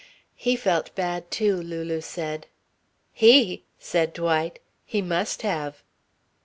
"He felt bad too," Lulu said. "He!" said Dwight. "He must have."